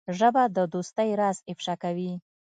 ژبه د دوستۍ راز افشا کوي